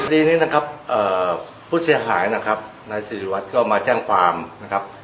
ดีนี้นะครับผู้เสียหายนะครับนายสิริวัตรก็มาแจ้งความนะครับ